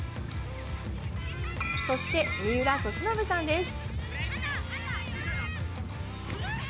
そして、三浦俊信さんです。